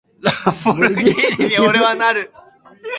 ランボルギーニに、俺はなる！